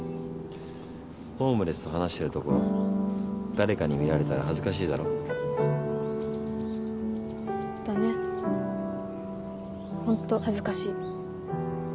ホームレスと話してるとこ誰かに見られたら恥ずかしいだろ？だね。ほんと恥ずかしい。